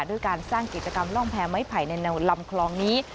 ด้วยการสร้างกิจกรรมร่องแพ้ไม้ไผ่ในแนวลำคลองนี้